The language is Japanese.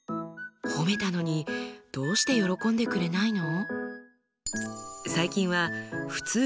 褒めたのにどうして喜んでくれないの？